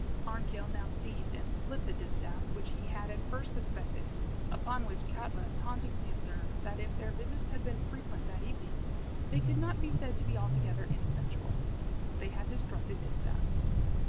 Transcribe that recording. Arnkill now seized and split the distaff, which he had at first suspected, upon which Kalta tauntingly observed, that if their visits had been frequent that evening, they could not be said to be altogether ineffectual, since they had destroyed a distaff.